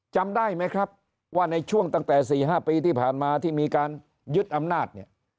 จำได้ไหมครับว่าในช่วงตั้งแต่๔๕ปีที่ผ่านมาที่มีการยึดอำนาจเนี่ย